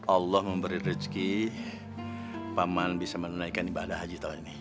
allah memberi rezeki paman bisa menunaikan ibadah haji tahun ini